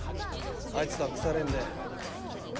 あいつとは腐れ縁で。